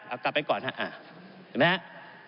อ่ากลับไปก่อนฮะอ่าเห็นไหมฮะ